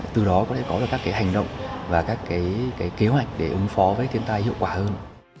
từ đó có thể có được các hành động và các kế hoạch để ứng phó với thiên tai hiệu quả hơn